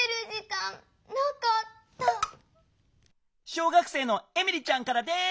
小学生のエミリちゃんからです！